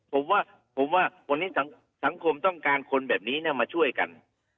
ผมว่าผมว่าวันนี้สังคมต้องการคนแบบนี้มาช่วยกัน